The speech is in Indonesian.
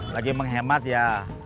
lagi menghemat ya